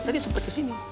tadi sempet kesini